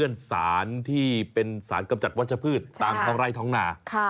สารที่เป็นสารกำจัดวัชพืชตามท้องไร่ท้องนา